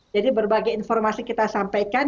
jadi berbagai informasi kita sampaikan